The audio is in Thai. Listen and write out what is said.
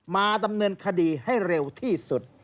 มาดำเนินคดีให้เร็วที่สุด